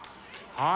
はい。